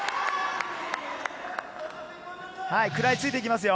食らいついていきますよ。